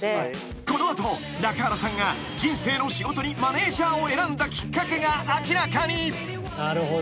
［この後中原さんが人生の仕事にマネジャーを選んだきっかけが明らかに］